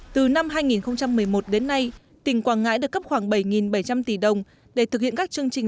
từ năm hai nghìn một mươi một đến nay tỉnh quảng ngãi được cấp khoảng bảy bảy trăm linh tỷ đồng để thực hiện các chương trình